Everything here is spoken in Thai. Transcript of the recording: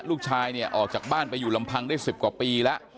ลูกชายเนี่ยออกจากบ้านไปอยู่ลำพังได้๑๐กว่าปีแล้ว